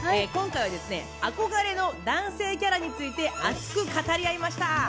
今回は憧れの男性キャラについて熱く語り合いました。